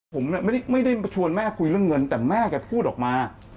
ผมไม่ได้ชวนแม่คุยเรื่องเงินแต่แม่แกพูดออกมา